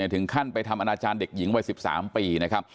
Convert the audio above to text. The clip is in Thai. ถึงขั้นไปทำราชาญาหน้าเด็กหญิงวัยสิบสามปีนะครับ